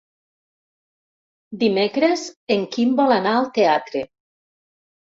Dimecres en Quim vol anar al teatre.